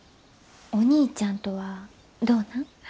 お兄ちゃんとはどうなん？